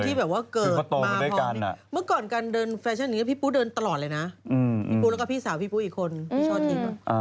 พี่แบบว่าเกิดมาพี่ปูเดินตลอดเลยนะพี่ปูแล้วก็พี่สาวพี่ปูอีกคนพี่ชอบทิพย์